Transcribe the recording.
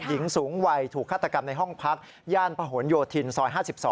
หญิงสูงวัยถูกฆาตกรรมในห้องพักย่านพะหนโยธินซอย๕๒